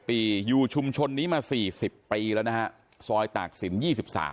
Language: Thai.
ปีอยู่ชุมชนนี้มาสี่สิบปีแล้วนะฮะซอยตากสิบยี่สิบสาม